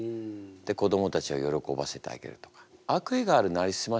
で子どもたちを喜ばせてあげるとか。